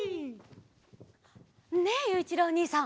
ねえゆういちろうおにいさん。